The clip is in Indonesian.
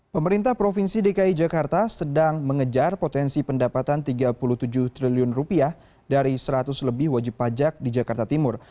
pemerintah provinsi dki jakarta sedang mengejar potensi pendapatan rp tiga puluh tujuh triliun rupiah dari seratus lebih wajib pajak di jakarta timur